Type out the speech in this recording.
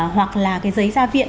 hoặc là giấy gia viện